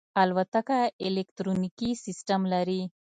الوتکه الکترونیکي سیستم لري.